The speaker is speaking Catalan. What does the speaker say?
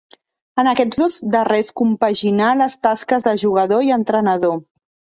En aquests dos darrers compaginà les tasques de jugador i entrenador.